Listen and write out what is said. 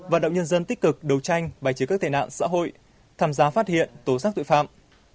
và động nhân dân tích cực đấu tranh bài chứa các tệ nạn xã hội tham gia phát hiện tố sắc tội phạm